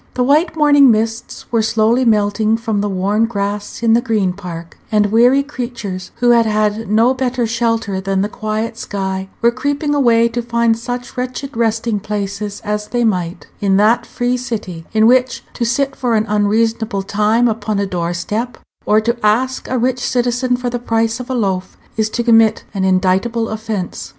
The white morning mists were slowly melting from the worn grass in the Green Park; and weary creatures, who had had no better shelter than the quiet sky, were creeping away to find such wretched resting places as they might, in that free city, in which to sit for an unreasonable time upon a door step, or to ask a rich citizen for the price of a loaf, is to commit an indictable offence.